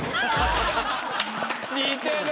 似てる！